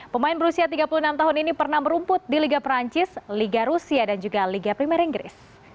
pemain berusia tiga puluh enam tahun ini pernah merumput di liga perancis liga rusia dan juga liga primer inggris